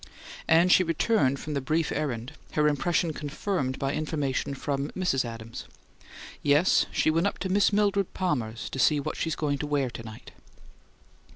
And she returned from the brief errand, her impression confirmed by information from Mrs. Adams. "Yes. She went up to Miss Mildred Palmer's to see what she's going to wear to night."